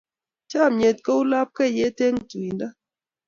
Chomnyet kou lapkeiyet eng tuindo.